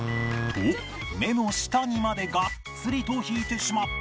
と目の下にまでがっつりと引いてしまった